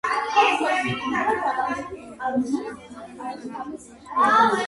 როგორ უწყობს ხელს გლობალიზაცია ახალგაზრდებს განათლების მიღებაში